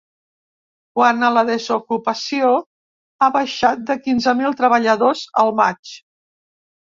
Quant a la desocupació, ha baixat de quinze mil treballadors al maig.